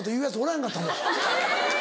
へんかったもん。